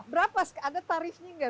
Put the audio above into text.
berapa ada tarifnya enggak